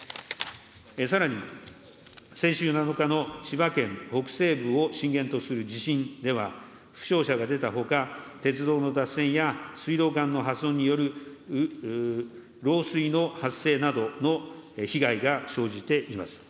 さらに先週７日の千葉県北西部を震源とする地震では負傷者が出たほか、鉄道の脱線や水道管の破損による漏水の発生などの被害が生じています。